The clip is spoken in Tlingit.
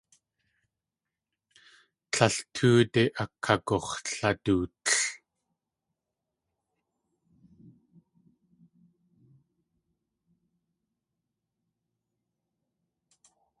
Tlél tóode akagux̲ladootl.